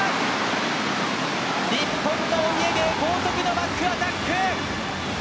日本のお家芸高速のバックアタック！